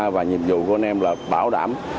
và nhiệm vụ của anh em là bảo đảm